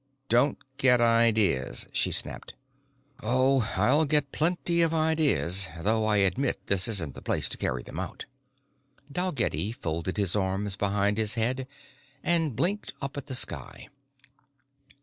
"Don't get ideas," she snapped. "Oh, I'll get plenty of ideas, though I admit this isn't the place to carry them out." Dalgetty folded his arms behind his head and blinked up at the sky.